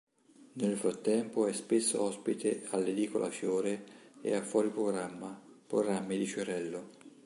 Nel frattempo è spesso ospite all"'Edicola Fiore" e a "Fuori Programma", programmi di Fiorello.